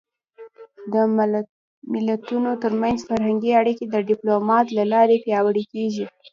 د ملتونو ترمنځ فرهنګي اړیکې د ډيپلومات له لارې پیاوړې کېږي.